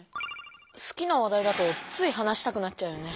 すきな話だいだとつい話したくなっちゃうよね。